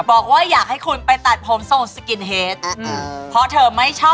โอเคค่ะข้อต่อไปค่ะ